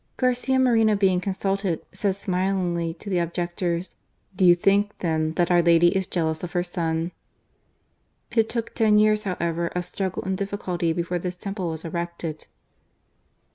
Garcia Moreno being consulted, said smilingly to the objectors :" Do you think, then, that our Lady is jealous of her Son ?" It took ten years, however, of struggle and difficulty before this temple was erected.